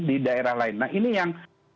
di daerah lain nah ini yang